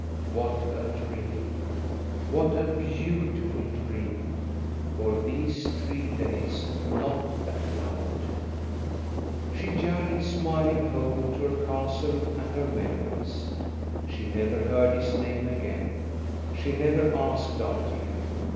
What a dream, what a beautiful dream ! For these three days not a cloud ! She journeyed smiling home to her castle and her memories. She never heard his name again, she never asked after him.